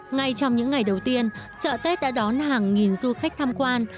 ngay trong những ngày đầu tiên chợ tết đã đón hàng nghìn du khách tham quan